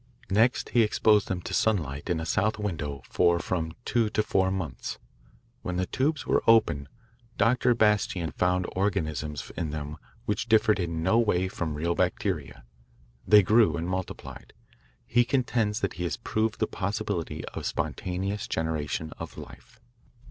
Next he exposed them to sunlight in a south window for from two to four months. When the tubes were opened Dr. Bastian found organisms in them which differed in no way from real bacteria. They grew and multiplied. He contends that he has proved the possibility of spontaneous generation of life.